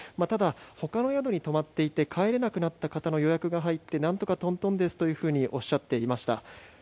ただ、他の宿に泊まっていて帰れなくなった方の予約が入って何とかトントンですとおっしゃっていました。